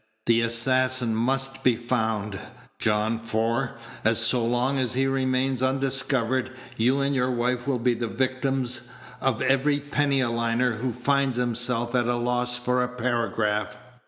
The assassin must be found, John; for, so long as he remains undiscovered, you and your wife will be the victims of every penny a liner who finds himself at a loss for a paragraph."